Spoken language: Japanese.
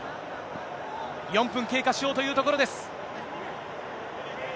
４分経過しようというところです。